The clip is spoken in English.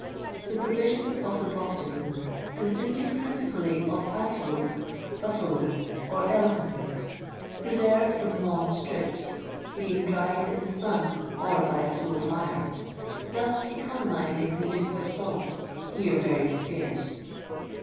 The pro visions of the Bochjesmcn consisted principally of antelope, buffalo, or elephant meat, preserved in long strips, being dried in the sun or by a slow fire : thus economizing the use of salt, here very scarce.